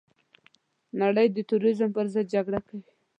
نړۍ د تروريزم پرضد جګړه کوي.